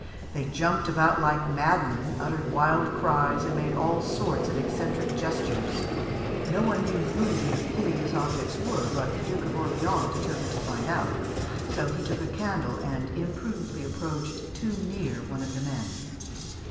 They jumped about like madmen, uttered wild cries, and made all sorts of eccentric gestures. No one knew who these hideous objects were, but the Duke of Orleans determined to find out, so he took a candle and imprudently approached too near one of the men.